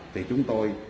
thì chúng tôi